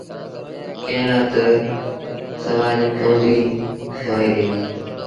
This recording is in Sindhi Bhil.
ڪݩهݩ لآ تا سُوآريٚ ڪونديٚ هوئي ديٚ۔